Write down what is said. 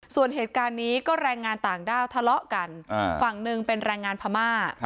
ส่วนเหตุการณ์นี้ก็แรงงานต่างด้าวทะเลาะกันฝั่งหนึ่งเป็นแรงงานพม่า